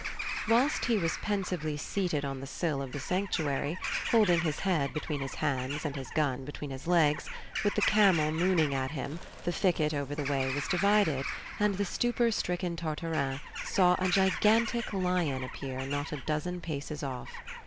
Whilst he was pensively seated on the sill of the sanctuary, holding his head between his hands and his gun between his legs, with the camel mooning at him, the thicket over the way was divided, and the stupor stricken Tartarin saw a gigantic lion appear not a dozen paces off.